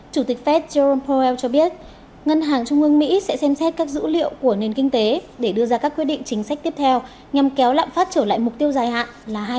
chủ tịch fed jerome powell cho biết ngân hàng trung ương mỹ sẽ xem xét các dữ liệu của nền kinh tế để đưa ra các quyết định chính sách tiếp theo nhằm kéo lạm phát trở lại mục tiêu dài hạn là hai mươi